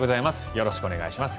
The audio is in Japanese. よろしくお願いします。